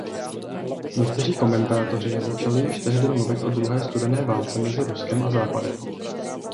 Někteří komentátoři začali již tehdy mluvit o druhé studené válce mezi Ruskem a Západem.